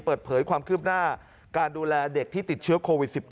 เปิดเผยความคืบหน้าการดูแลเด็กที่ติดเชื้อโควิด๑๙